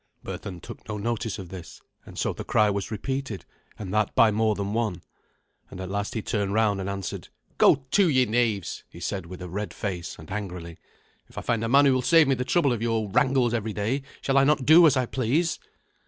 Berthun took no notice of this; and so the cry was repeated, and that by more than one. And at last he turned round and answered. "Go to, ye knaves," he said with a red face and angrily; "if I find a man who will save me the trouble of your wrangles every day, shall I not do as I please?"